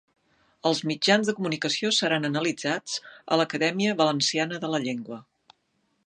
Els mitjans de comunicació seran analitzats a l'Acadèmia Valenciana de la Llengua